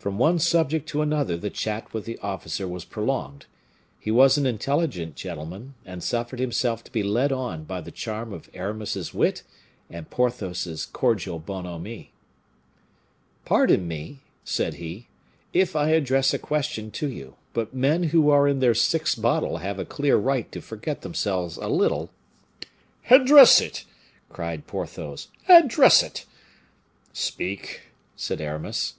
From one subject to another the chat with the officer was prolonged. He was an intelligent gentleman, and suffered himself to be led on by the charm of Aramis's wit and Porthos's cordial bonhomie. "Pardon me," said he, "if I address a question to you; but men who are in their sixth bottle have a clear right to forget themselves a little." "Address it!" cried Porthos; "address it!" "Speak," said Aramis.